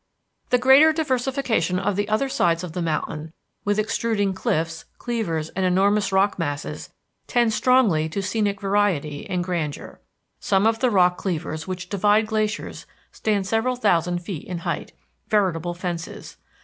The greater diversification of the other sides of the mountain with extruding cliffs, cleavers, and enormous rock masses tends strongly to scenic variety and grandeur. Some of the rock cleavers which divide glaciers stand several thousand feet in height, veritable fences.